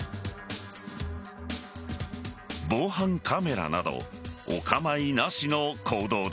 防犯カメラなどお構いなしの行動だ。